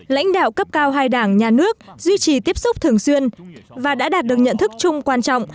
lãnh đạo cấp cao hai đảng nhà nước duy trì tiếp xúc thường xuyên và đã đạt được nhận thức chung quan trọng